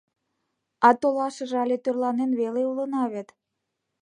— А толашыже але тӧрланен веле улына вет.